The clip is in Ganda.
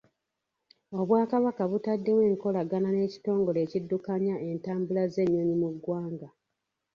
Obwakabaka butaddewo enkolagana n'ekitongole ekiddukanya entambula z'ennyonyi mu ggwanga.